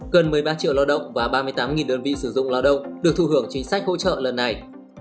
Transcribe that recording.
gần một mươi ba triệu lao động và ba mươi tám đơn vị sử dụng lao động được thu hưởng chính sách hỗ trợ lần này